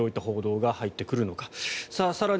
どういった報道が入ってくるのか。